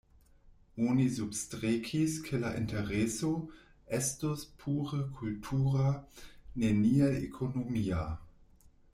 Oni substrekis ke la intereso estus pure kultura, neniel ekonomia.